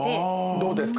どうですか？